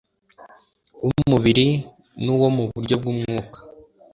w'umubiri n’uwo mu buryo bw’umwuka